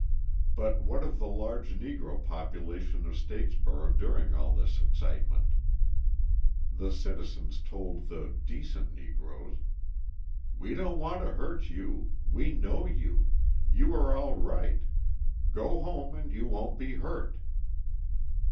But what of the large Negro population of Statesboro during all this excitement? The citizens told the "decent Negroes": "We don't want to hurt you; we know you; you are all right; go home and you won't be hurt."